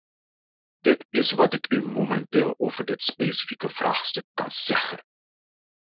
Dit is wat ik u momenteel over dit specifieke vraagstuk kan zeggen.